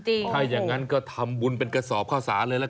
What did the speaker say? ถ้าอย่างนั้นก็ทำบุญเป็นกระสอบข้าวสารเลยละกัน